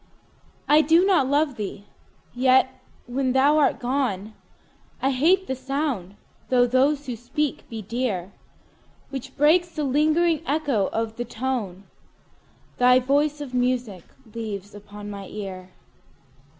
I do not love thee!—yet, when thou art gone, I hate the sound (though those who speak be dear) 10 Which breaks the lingering echo of the tone Thy voice of music leaves upon my ear.